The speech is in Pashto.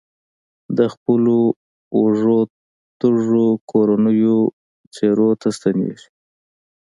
د خپلو وږو تږو کورنیو څپرو ته ستنېږي.